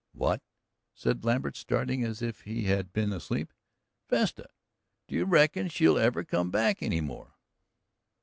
"What?" said Lambert, starting as if he had been asleep. "Vesta; do you reckon she'll ever come back any more?"